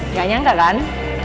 tidak menyangka kan